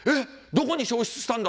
どこに消失したんだ？